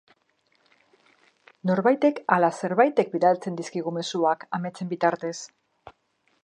Norbaitek ala zerbaitek bidaltzen dizigu mezuak ametsen bitartez?